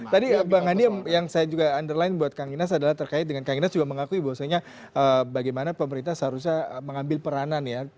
tadi bang andi yang saya juga underline buat kang inas adalah terkait dengan kang inas juga mengakui bahwasanya bagaimana pemerintah seharusnya mengambil peranan ya